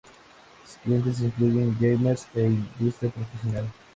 Sus clientes incluyen gamers e industria profesional.